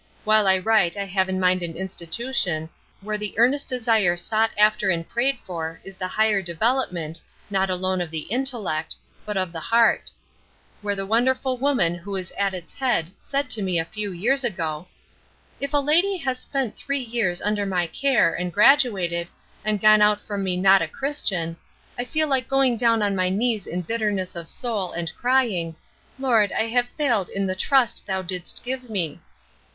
While I write I have in mind an institution where the earnest desire sought after and prayed for is the higher development, not alone of the intellect, but of the heart: where the wonderful woman who is at its head said to me a few years ago: "If a lady has spent three years under my care, and graduated, and gone out from me not a Christian, I feel like going down on my knees in bitterness of soul, and crying, 'Lord, I have failed in the trust thou didst give me."